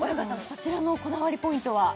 こちらのこだわりポイントは？